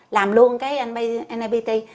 làm luôn cái napt